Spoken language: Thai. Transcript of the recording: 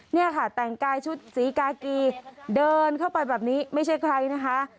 เนี่ยค่ะแต่งกายชุดสีกากีเดินเข้าไปแบบนี้ไม่ใช่ใครนะคะ